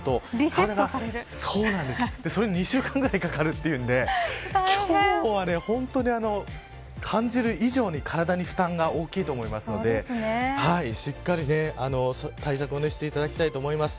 それが２週間ぐらいかかるというので今日は本当に感じる以上に体に負担が大きいと思いますのでしっかり対策をしていただきたいと思います。